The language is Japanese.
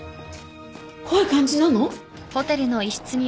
怖い感じなの？